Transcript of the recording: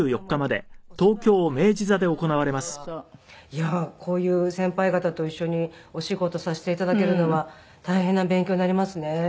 いやあこういう先輩方と一緒にお仕事させていただけるのは大変な勉強になりますね。